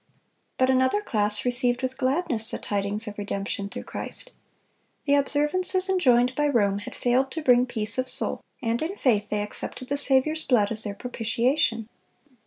But another class received with gladness the tidings of redemption through Christ. The observances enjoined by Rome had failed to bring peace of soul, and in faith they accepted the Saviour's blood as their propitiation.